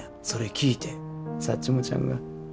それ聞いてサッチモちゃんが。